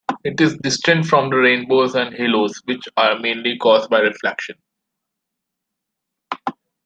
It is distinct from rainbows and halos, which are mainly caused by refraction.